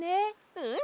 うん！